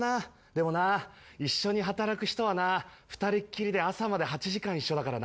でもな一緒に働く人はな２人っきりで朝まで８時間一緒だからな。